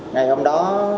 ngày hôm đó